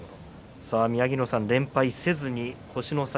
宮城野さん、連敗せずに星の差